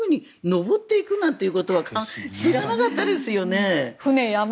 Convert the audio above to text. しかし、こんなふうに上っていくんだということは知らなかったですよね。